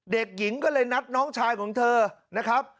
เด็กหญิงก็เลยนัดน้องชายของเธอนะครับ